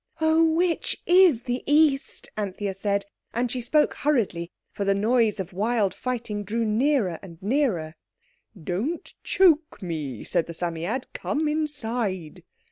"Oh! which is the East!" Anthea said, and she spoke hurriedly, for the noise of wild fighting drew nearer and nearer. "Don't choke me," said the Psammead, "come inside."